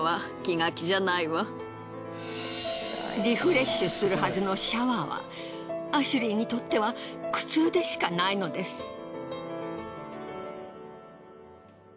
リフレッシュするはずのシャワーはアシュリーにとっては苦痛でしかないのです。